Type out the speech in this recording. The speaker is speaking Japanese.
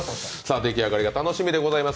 出来上がりが楽しみです。